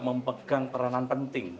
memegang peranan penting